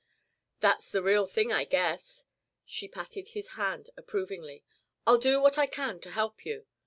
"That's the real thing, I guess." She patted his hand approvingly. "I'll do what I can to help you.